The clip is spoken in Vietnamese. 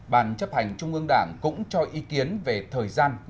ban chấp hành trung ương đảng cũng cho ý kiến về thời gian